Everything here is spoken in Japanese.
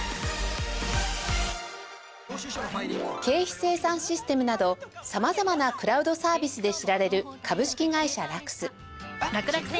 経費精算システムなど様々なクラウドサービスで知られる株式会社ラクス